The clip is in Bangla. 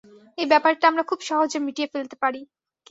এই ব্যাপারটা আমরা খুব সহজে মিটিয়ে ফেলতে পারি।